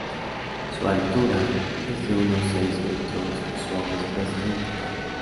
Su altura es de unos seis metros y su agua es fresca y potable.